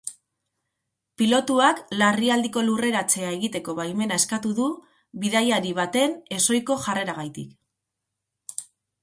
Pilotuak larrialdiko lurreratzea egiteko baimena eskatu du bidaiari baten ezohiko jarreragatik.